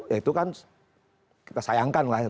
ya itu kan kita sayangkan lah